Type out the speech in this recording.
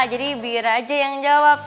jadi bira aja yang jawab